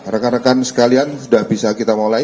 rekan rekan sekalian sudah bisa kita mulai